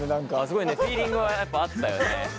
すごいねフィーリングはやっぱ合ったよね。